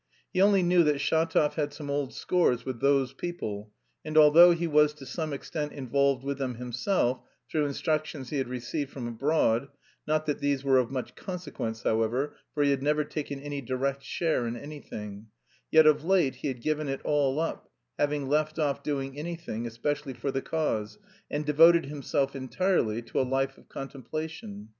He only knew that Shatov had some old scores with "those people," and although he was to some extent involved with them himself through instructions he had received from abroad (not that these were of much consequence, however, for he had never taken any direct share in anything), yet of late he had given it all up, having left off doing anything especially for the "cause," and devoted himself entirely to a life of contemplation.